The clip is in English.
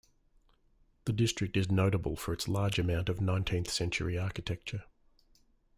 The district is notable for its large amount of nineteenth-century architecture.